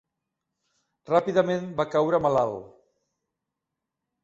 Ràpidament va caure malalt.